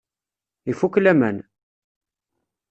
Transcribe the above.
Ifukk laman!